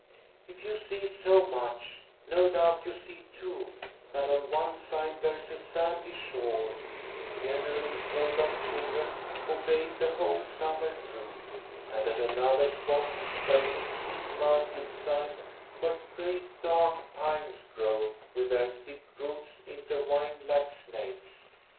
" If you see so much, no doubt you see, too, that on one side there is a sandy shore, generally full of children who bathe the whole summer through, and at another spot there is a steep mountain side where great dark pines grow with their thick roots intertwined like snakes.